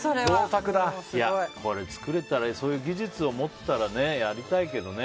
これ作れたら技術を持っていたらやりたいけどね。